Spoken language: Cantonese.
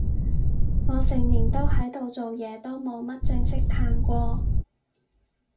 我成年都喺度做嘢，都冇乜正式嘆過